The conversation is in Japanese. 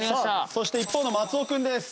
そして一方の松尾君です。